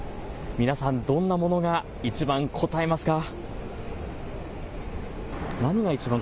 皆さん、どんなものがいちばんこたえますか。